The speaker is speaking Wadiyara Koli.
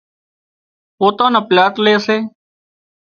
پوتان نا پلاٽ لي سي